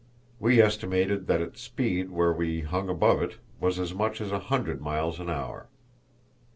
We estimated that its speed where we hung above it was as much as a hundred miles an hour.